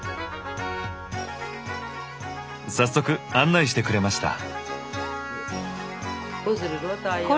早速案内してくれました。